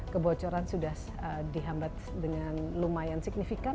kebocoran sudah dihambat dengan lumayan signifikan